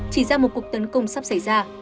chỉ ra một cuộc tấn công sắp xảy ra